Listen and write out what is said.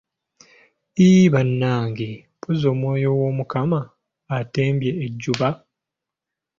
Eeee bannange, mpozzi omwoyo w'omukwano antembye ejjoba.